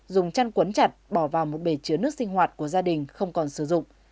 dùng chăn quấn chặt bỏ vào một bể chứa nước sinh hoạt của gia đình không còn sử dụng